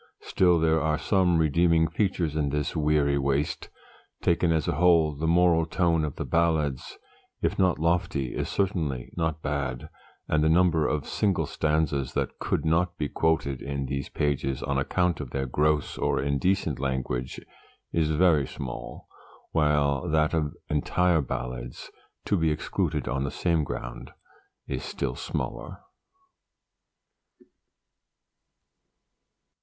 Still there are some redeeming features in this weary waste. Taken as a whole, the moral tone of the ballads, if not lofty, is certainly not bad; and the number of single stanzas that could not be quoted in these pages on account of their gross or indecent language is very small; while that of entire Ballads, to be excluded on the same ground, is still smaller.